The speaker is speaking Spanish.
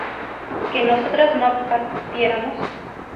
¿que nosotras no partiéramos?